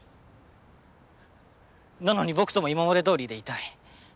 なのに僕とも今まで通りでいたい。